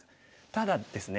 ただですね